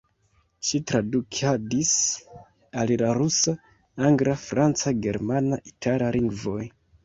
Ŝi tradukadis el la rusa, angla, franca, germana, itala lingvoj.